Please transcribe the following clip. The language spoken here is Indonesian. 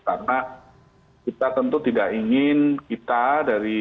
karena kita tentu tidak ingin kita